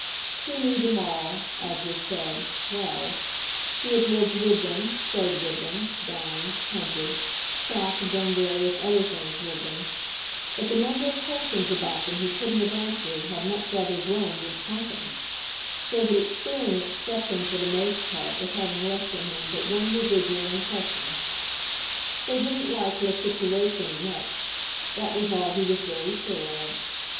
He knew them all, as was said, "well"; he had lived with them, stayed with them, dined, hunted, shot and done various other things with them; but the number of questions about them he couldn't have answered had much rather grown than shrunken, so that experience struck him for the most part as having left in him but one residual impression. They didn't like les situations nettes that was all he was very sure of.